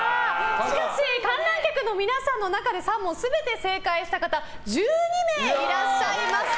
しかし、観覧客の皆さんの中で３問全て正解した方１２名いらっしゃいました。